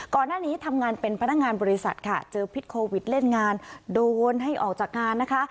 ก่อนหน้านี้ทำงานเป็นพนักงานบริษัทค่ะเจอพิษโควิดเล่นงานโดนให้ออกจากงานนะคะ